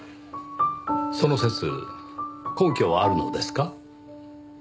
その説根拠はあるのですか？